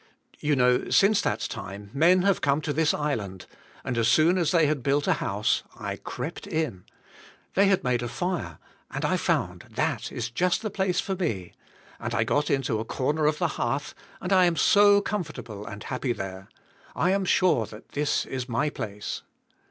You know since that time men have come to this island, and as soon as they had built a house I crept in; they had made a fire and I found that is just the place for me, and I g ot into a corner of the hearth and I am so comfortable and happy there. I am sure that is my place."